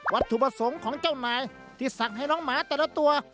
ถูกประสงค์ของเจ้านายที่สั่งให้น้องหมาแต่ละตัว